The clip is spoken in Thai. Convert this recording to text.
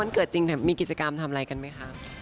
เกิดจริงมีกิจกรรมทำอะไรกันไหมคะ